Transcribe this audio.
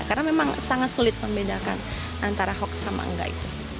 karena memang sangat sulit membedakan antara hoax sama tidak